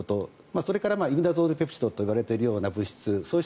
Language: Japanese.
それからイミダゾールペプチドといわれているような物質。